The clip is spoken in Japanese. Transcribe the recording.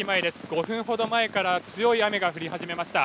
５分ほど前から強い雨が降り始めました。